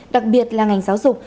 đặc biệt là ngành giáo dục